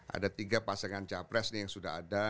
ada tiga pasangan capres nih yang sudah ada